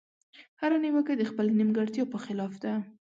هره نيوکه د خپلې نيمګړتيا په خلاف ده.